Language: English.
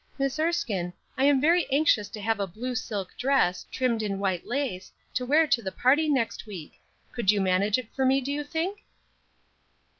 Miss Erskine, I am very anxious to have a blue silk dress, trimmed in white lace, to wear to the party next week; could you manage it for me, do you think?"